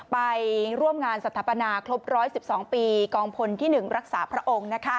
ไปร่วมงานสถาปนาครบ๑๑๒ปีกองพลที่๑รักษาพระองค์